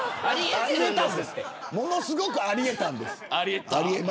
ものすごくあり得たんです。